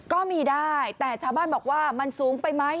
ก็มีได้แต่ชาวบ้านบอกว่ามันสูงไปไหม